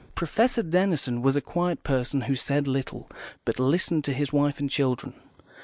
Professor Denison was a quiet person, who said little, but listened to his wife and children.